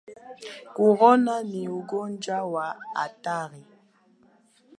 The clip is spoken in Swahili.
Korona ni ugonjwa wa hatari